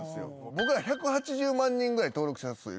僕ら１８０万人ぐらい登録者数いるんですよ。